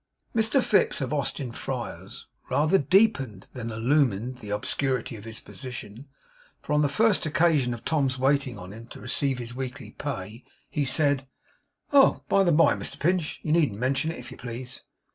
Mr Fips, of Austin Friars, rather deepened than illumined the obscurity of his position; for on the first occasion of Tom's waiting on him to receive his weekly pay, he said: 'Oh! by the bye, Mr Pinch, you needn't mention it, if you please!